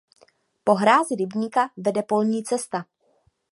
Po hrázi rybníka vede polní cesta.